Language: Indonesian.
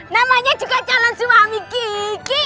namanya juga calon suami kiki